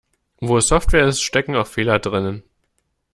Wo Software ist, stecken auch Fehler drinnen.